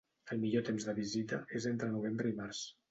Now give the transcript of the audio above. El millor temps de visita és entre novembre i març.